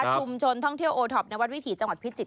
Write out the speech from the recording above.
ชุมชนท่องเที่ยวโอท็อปในวัดวิถีจังหวัดพิจิตร